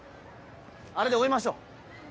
あれで追いましょう。